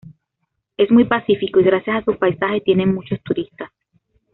Es muy pacífico y gracias a sus paisajes tiene muchos turistas.